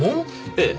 ええ。